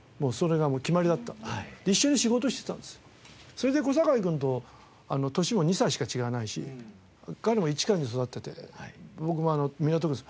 それで小堺君と年も２歳しか違わないし彼も市川で育ってて僕も港区です。